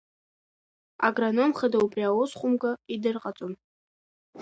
Агроном хада убри аус хәымга идырҟаҵон.